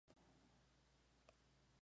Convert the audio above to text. Su hábitat son los bosques tropicales.